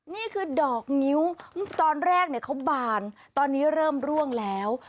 นี่คือดอกงิ้วตอนแรกเขาบานตอนนี้เริ่มร่วงแล้ว